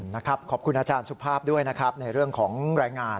นะครับขอบคุณอาจารย์สุภาพด้วยนะครับในเรื่องของรายงาน